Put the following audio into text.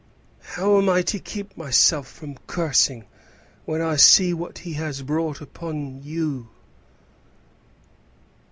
"How am I to keep myself from cursing when I see what he has brought upon you?"